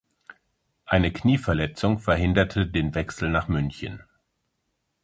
Eine Knieverletzung verhinderte den Wechsel nach München.